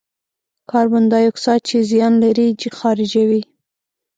کاربن دای اکساید چې زیان لري، خارجوي.